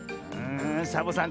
サボさん